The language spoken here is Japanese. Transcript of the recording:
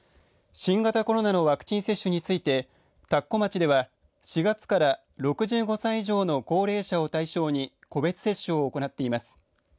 新型コロナのワクチン接種について田子町では４月から６５歳以上の高齢者を対象に個別接種を行っています。